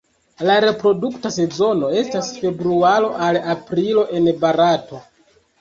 La reprodukta sezono estas februaro al aprilo en Barato.